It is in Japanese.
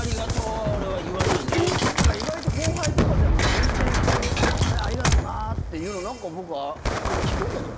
意外と後輩とかでも全然普通に「この間ありがとな」っていうの何か僕聞くけどな。